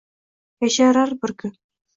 Yasharar bir kun.